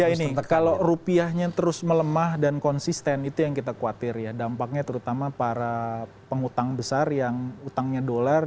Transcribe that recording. ya ini kalau rupiahnya terus melemah dan konsisten itu yang kita khawatir ya dampaknya terutama para pengutang besar yang utangnya dolar